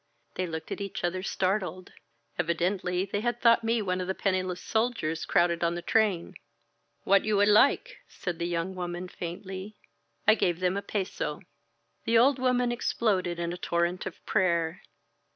They looked at each other, startled. Evidently they had thought me one of the penniless soldiers crowded on the train. "What you would like," said the young woman faint ly. I gave them a peso. The old woman exploded in a torrent of prayer.